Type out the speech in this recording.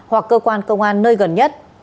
hoặc cơ quan công an nơi gần nhất